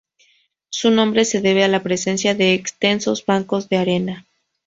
Su nombre se debe a la presencia de extensos bancos de arena.